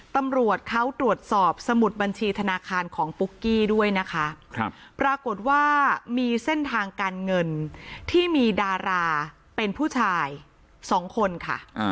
ตำรวจเขาตรวจสอบสมุดบัญชีธนาคารของปุ๊กกี้ด้วยนะคะปรากฏว่ามีเส้นทางการเงินที่มีดาราเป็นผู้ชาย๒คนค่ะ